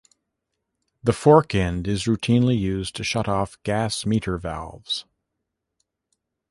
The fork end is routinely used to shut off gas meter valves.